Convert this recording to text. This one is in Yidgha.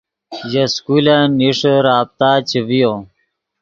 ژے سکولن نیݰے رابطہ چے ڤیو